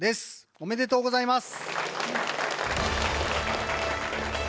おめでとうございます。